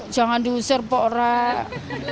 jangan diusir pak